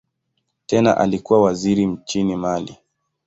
Tena alikuwa waziri nchini Mali.